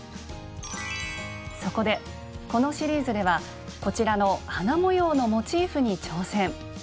そこでこのシリーズではこちらの花模様のモチーフに挑戦！